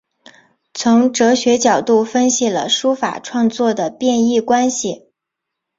从哲学角度分析了书法创作的变易关系。